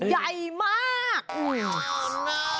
ใหญ่มาก